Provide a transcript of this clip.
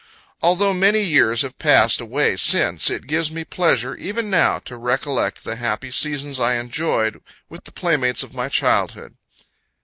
Although many years have passed away since, it gives me pleasure, even now, to recollect the happy seasons I enjoyed with the playmates of my childhood.